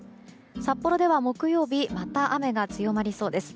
札幌では木曜日また雨が強まりそうです。